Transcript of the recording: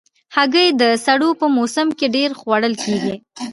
هګۍ د سړو په موسم کې ډېر خوړل کېږي.